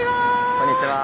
こんにちは。